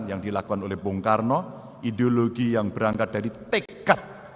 yang dilakukan oleh bung karno ideologi yang berangkat dari tekad